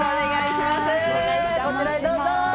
こちらへどうぞ。